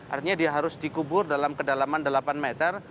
artinya dia harus dikubur dalam kedalaman delapan meter